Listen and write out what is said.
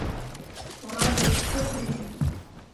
— Ораде, шып лий!